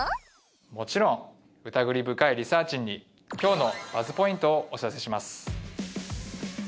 もちろんうたぐり深いリサーちんに今日のＢＵＺＺポイントをお知らせします